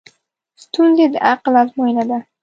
ستونزې د عقل ازموینه ده.